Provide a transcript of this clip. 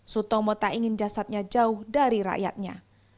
sutomo tak ingin jasadnya jauh dari rakyatnya